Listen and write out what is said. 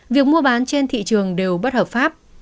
việc mua bán trên thị trường đều bất hợp pháp